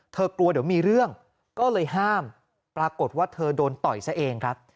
กลัวเดี๋ยวมีเรื่องก็เลยห้ามปรากฏว่าเธอโดนต่อยซะเองครับ